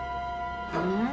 うん？